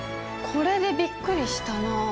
これでびっくりしたな？